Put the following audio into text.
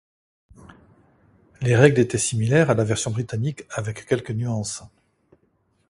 Les règles étaient similaires à la version britannique, avec quelques nuances.